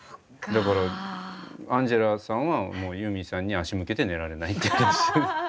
だからアンジェラさんはユーミンさんに足向けて寝られない。